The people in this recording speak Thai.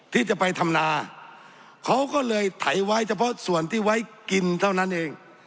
ที่จะไปทำนาเขาก็เลยไถไว้เฉพาะส่วนที่ไว้กินเท่านั้นเอง